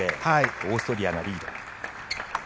オーストリアがリード。